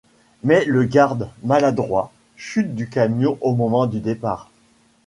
Mais le garde, maladroit, chute du camion au moment du départ.